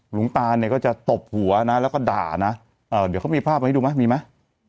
หลวงตาเนี่ยก็จะตบหัวนะแล้วก็ด่านะเดี๋ยวเขามีภาพมาให้ดูไหมมีไหม